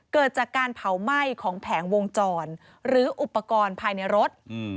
เกิดจากการเผาไหม้ของแผงวงจรหรืออุปกรณ์ภายในรถ